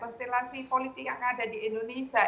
konstelasi politik yang ada di indonesia